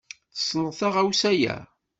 Tessneḍ taɣawsa-ya?